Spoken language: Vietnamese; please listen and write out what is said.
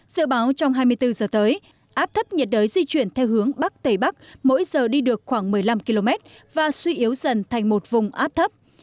sự báo trong hai mươi bốn giờ tới áp thấp nhiệt đới di chuyển theo hướng bắc tây bắc mỗi giờ đi được khoảng một mươi năm km và suy yếu dần thành một vùng áp thấp